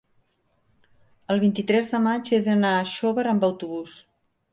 El vint-i-tres de maig he d'anar a Xóvar amb autobús.